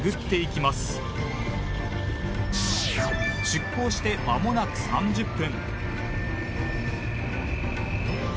出港してまもなく３０分。